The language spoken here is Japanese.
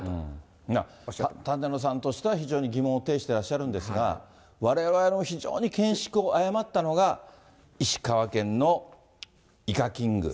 舘野さんとしては、非常に疑問を呈してらっしゃるんですが、われわれも非常に見識を誤ったのが、石川県のイカキング。